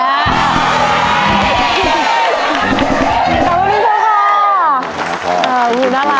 ขอบคุณพ่อค่ะ